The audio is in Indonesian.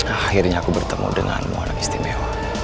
akhirnya aku bertemu denganmu orang istimewa